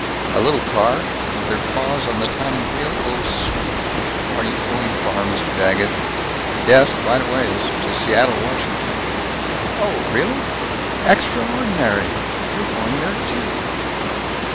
"A little car? With her paws on the tiny wheel? Oh sweet! Are you going far, Mr. Daggett?" "Yes, quite a ways. To Seattle, Washington." "Oh, really? Extraordinary. We're going there, too."